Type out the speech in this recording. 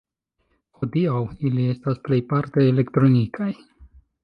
Hodiaŭ ili estas plejparte elektronikaj.